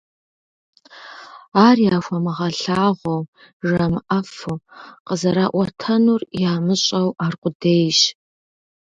Ар яхуэмыгъэлъагъуэу, жамыӀэфу, къызэраӀуэтэнур ямыщӀэу аркъудейщ.